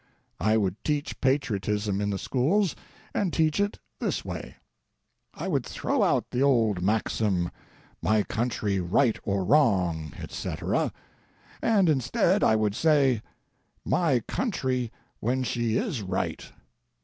I would teach patriotism in the schools, and teach it this way: I would throw out the old maxim, 'My country, right or wrong,' &c., instead I would say, 'My country when she is right.'